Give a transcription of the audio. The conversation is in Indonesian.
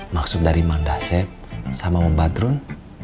maksud dari mang dasyep sama bang batrun